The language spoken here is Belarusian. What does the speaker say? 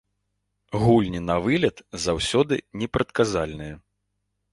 Гульні на вылет заўсёды непрадказальныя.